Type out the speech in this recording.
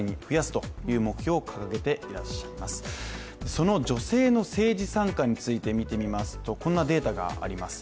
その女性の政治参加について見てみますと、こんなデータがあります。